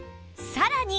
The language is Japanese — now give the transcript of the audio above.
さらに